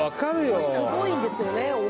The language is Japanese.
これすごいんですよね